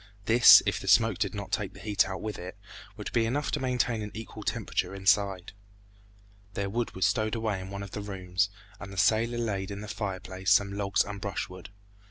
This, if the smoke did not take the heat out with it, would be enough to maintain an equal temperature inside. Their wood was stowed away in one of the rooms, and the sailor laid in the fireplace some logs and brushwood.